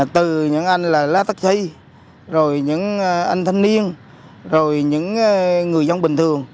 từ những anh lá tắc xây rồi những anh thanh niên rồi những người dân bình thường